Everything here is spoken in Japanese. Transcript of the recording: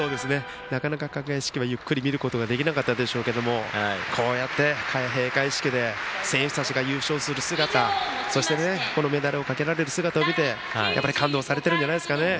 なかなか開会式はゆっくり見ることはできなかったでしょうけどこうやって開閉会式で選手たちが優勝する姿メダルをかけられる姿を見て感動されてるんじゃないでしょうかね。